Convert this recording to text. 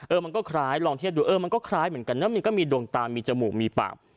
มันก็คล้ายลองเทียบดูเออมันก็คล้ายเหมือนกันนะมันก็มีดวงตามีจมูกมีปาก